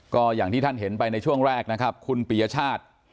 ก็อย่างที่ท่านเห็นไปในช่วงแรกนะครับคุณปียชาติ